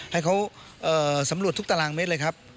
ให้เขาสำรวจทุกตารางเมตรเลยครับ